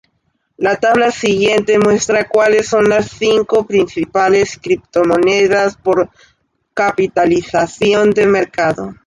La tabla siguiente muestra cuáles son las cinco principales criptomonedas por capitalización de mercado.